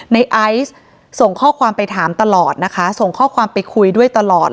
ในไอซ์ส่งข้อความไปถามตลอดนะคะส่งข้อความไปคุยด้วยตลอด